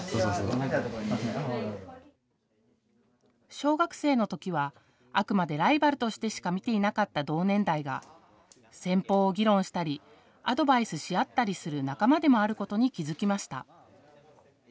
小学生の時はあくまでライバルとしてしか見ていなかった同年代が戦法を議論したりアドバイスし合ったりする仲間でもあることに気付きました。